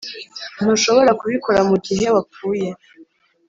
ntushobora kubikora mugihe wapfuye.